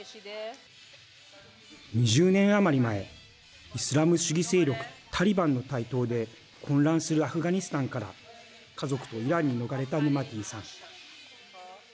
２０年余り前イスラム主義勢力タリバンの台頭で混乱するアフガニスタンから家族とイランに逃れたネマティさん。